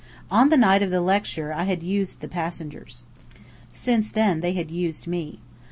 On the night of the lecture I had used the passengers. Since then they had used me.